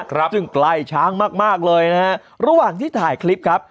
ซึ่งใกล้ช้างมากมากเลยนะฮะระหว่างที่ถ่ายคลิปครับ